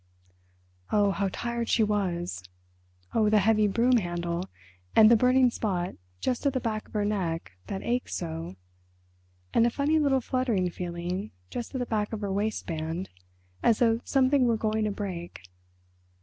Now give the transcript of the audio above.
Oh, how tired she was! Oh, the heavy broom handle and the burning spot just at the back of her neck that ached so, and a funny little fluttering feeling just at the back of her waistband, as though something were going to break.